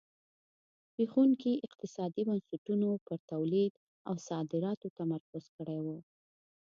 زبېښونکو اقتصادي بنسټونو پر تولید او صادراتو تمرکز کړی و.